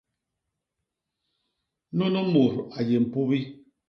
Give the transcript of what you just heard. Nunu mut a yé mpubi.